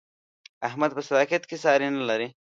احمد په صداقت کې ساری نه لري.